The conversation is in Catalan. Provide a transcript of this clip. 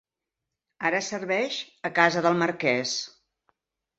Ara serveix a casa del marquès.